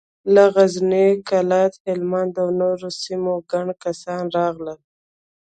له غزني، کلات، هلمند او نورو سيمو ګڼ کسان راغلل.